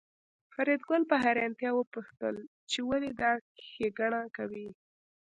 فریدګل په حیرانتیا وپوښتل چې ولې دا ښېګڼه کوې